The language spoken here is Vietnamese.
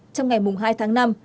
trong ngày mùng hai tháng năm